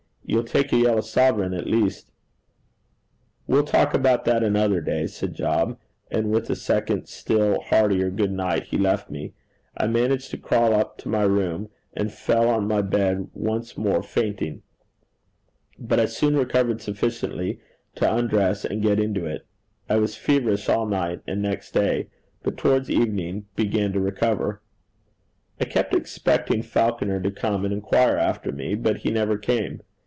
'You'll take a yellow dump, at least?' 'We'll talk about that another day,' said Job; and with a second still heartier good night, he left me. I managed to crawl up to my room, and fell on my bed once more fainting. But I soon recovered sufficiently to undress and get into it. I was feverish all night and next day, but towards evening begun to recover. I kept expecting Falconer to come and inquire after me; but he never came.